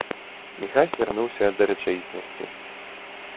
Міхась вярнуўся да рэчаіснасці.